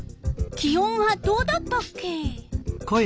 気温はどうだったっけ？